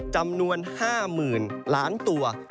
จำนวน๕๐๐๐ล้านตัว